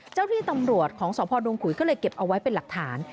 เจ้าที่ตำรวจของสพดงขุยก็เลยเก็บเอาไว้เป็นหลักฐาน